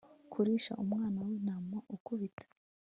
kurisha umwana w'intama ukubita